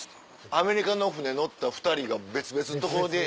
アメリカの船乗った２人が別々のところで。